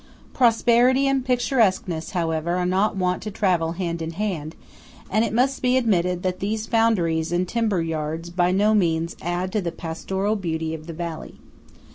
Prosperity and picturesqueness, however, are not wont to travel hand in hand; and it must be admitted that these foundries and timber yards by no means add to the pastoral beauty of the valley.